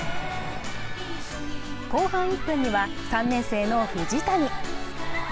後半１分には３年生の藤谷。